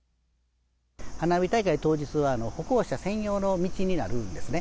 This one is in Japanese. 花火大会当日は、歩行者専用の道になるんですね。